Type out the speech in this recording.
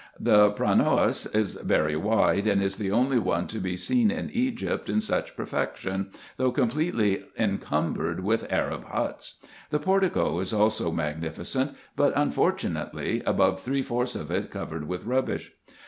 The pronaos is very wide, and is the only one to be seen in Egypt in such perfection, though completely encumbered with Arab huts. The portico is also magnificent ; but, unfortunately, above three fourths of it covered with rubbish.